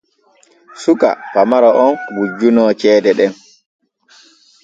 Suka pamaro on wujjunoo ceede ɗen.